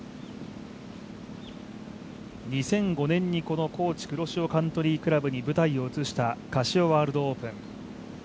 ２００５年にこのＫｏｃｈｉ黒潮カントリークラブに舞台を移したカシオワールドオープン。